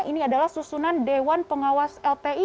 ini adalah susunan dewan pengawas lpi